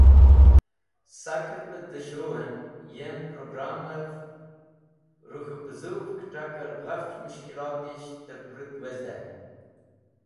Saker be de shuru en yem programev re k̃hu puzuv kitaker ghafch mushkilotisht ter purut wezde.